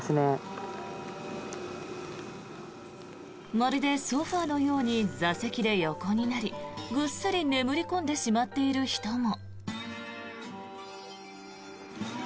まるでソファのように座席で横になりぐっすり眠り込んでしまっている人も。